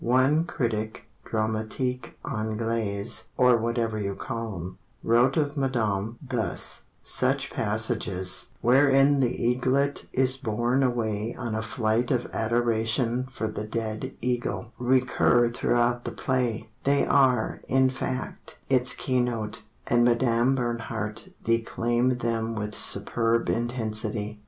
One critic dramatique Anglais, Or whatever you call him, Wrote of Madame thus: "Such passages, Wherein the eaglet is borne away On a flight of adoration for the dead eagle, Recur throughout the play: They are, in fact, its keynote, And Mme. Bernhardt Declaimed them with superb intensity.